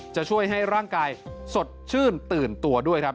จะช่วยให้ร่างกายสดชื่นตื่นตัวด้วยครับ